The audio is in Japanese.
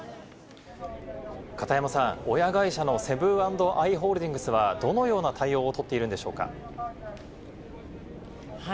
片山さん、親会社のセブン＆アイ・ホールディングスはどのような対応をとっているんでしょうか？